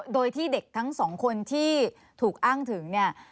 โดยที่เด็กทั้งสองคนที่ถูกอ้างถึงเนี่ย